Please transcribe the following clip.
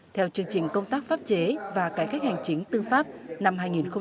theo chương trình công tác pháp chế và cải khách hành chính tư pháp năm hai nghìn hai mươi bốn